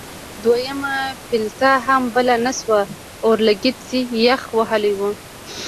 خو دویمه پلته هم بله نه شوه اورلګید یخ وهلی و.